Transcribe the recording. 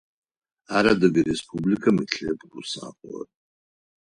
Ар Адыгэ Республикым илъэпкъ усакӏу.